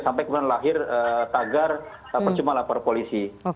sampai kemudian lahir tagar percuma lapor polisi